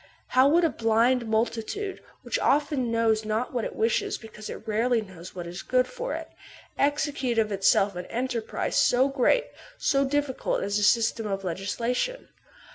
How would a blind multitude, which often knows not what it wishes because it rarely knows what is good for it, execute of itself an enterprise so great, so difficult, as a system of legislation